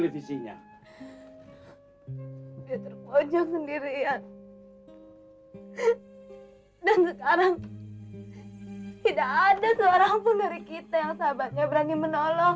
terima kasih dan sekarang tidak ada seorang pun dari kita yang sahabatnya berani menolong